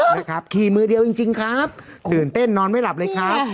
นะครับขี่มือเดียวจริงครับตื่นเต้นนอนไม่หลับเลยครับ